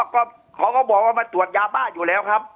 ก็เขาก็บอกว่ามาตรวจยาบ้าอยู่แล้วครับ